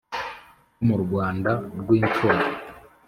Ho mu Rwanda rw'imfura